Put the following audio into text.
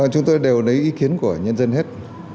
chúng tôi đều lấy ý kiến của nhân dân hết